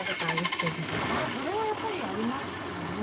人に」「ああー」「それはやっぱりありますかね」